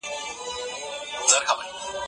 د مطالعې پیغام د افرادو ترمنځ تفاهم لوړوي.